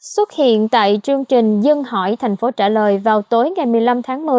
xuất hiện tại chương trình dân hỏi thành phố trả lời vào tối ngày một mươi năm tháng một mươi